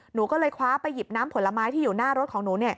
หนูก็เลยคว้าไปหยิบน้ำผลไม้ที่อยู่หน้ารถของหนู